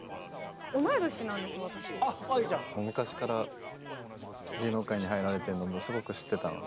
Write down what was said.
昔から芸能界に入られてるのもすごく知ってたので。